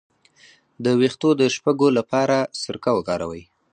د ویښتو د شپږو لپاره سرکه وکاروئ